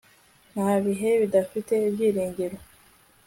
Nta bihe bidafite ibyiringiro